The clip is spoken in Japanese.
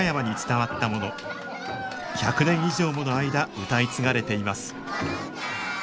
１００年以上もの間歌い継がれています